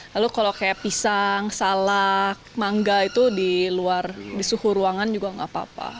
lalu kalau kayak pisang salak mangga itu di luar di suhu ruangan juga nggak apa apa